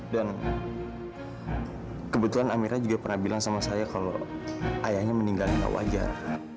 dan kebetulan amira juga pernah bilang sama saya kalau ayahnya meninggal yang gak wajar